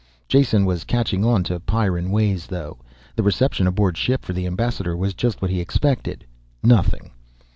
Jason was catching on to Pyrran ways though. The reception aboard ship for the ambassador was just what he expected. Nothing.